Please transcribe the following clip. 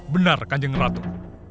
benar kan jeng ratu